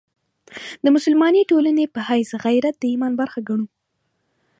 د مسلمانې ټولنې په حیث غیرت د ایمان برخه ګڼو.